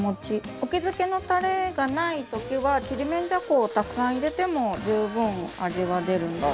沖漬けのタレがないときはちりめんじゃこをたくさん入れても十分味が出るんです。